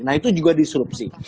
nah itu juga disrupsi